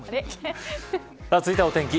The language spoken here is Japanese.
続いてはお天気